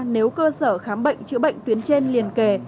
nếu cơ sở khám bệnh chữa bệnh tuyến trên liền kề